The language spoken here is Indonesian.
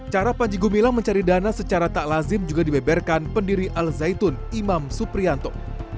cara panji gumilang mencari dana secara tak lazim juga dibeberkan pendiri al zaitun imam suprianto